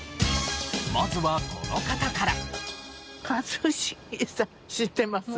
まずはこの方から。